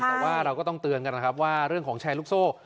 แต่ว่าเราก็ต้องเตือนกันนะครับว่าเรื่องของแชร์ลูกโซ่